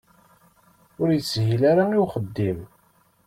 Ur ishil ara i uxeddim.